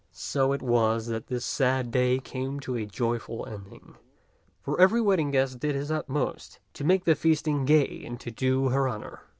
So it was that this sad day came to a joyful ending; for every wedding guest did his utmost to make the feasting gay and to do her honor.